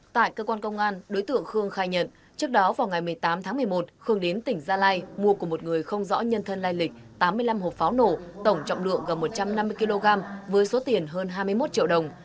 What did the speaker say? tại cơ quan công an đối tượng khương khai nhận trước đó vào ngày một mươi tám tháng một mươi một khương đến tỉnh gia lai mua của một người không rõ nhân thân lai lịch tám mươi năm hộp pháo nổ tổng trọng lượng gần một trăm năm mươi kg với số tiền hơn hai mươi một triệu đồng